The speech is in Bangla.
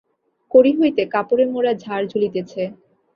কড়ি হইতে কাপড়ে মোড়া ঝাড় ঝুলিতেছে।